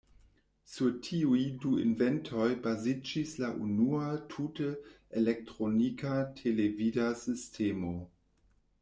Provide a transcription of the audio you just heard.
Sur tiuj du inventoj baziĝis la unua tute elektronika televida sistemo.